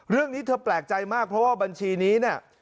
เรื่องนี้เธอแปลกใจมากเพราะว่าบัญชีนี้เนี่ย